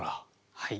はい。